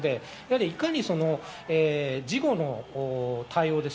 いかに事後の対応です。